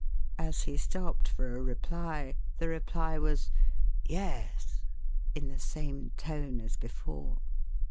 As he stopped for a reply, the reply was " Yes," in the same tone as before.